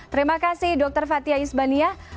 terima kasih dokter fathia isbania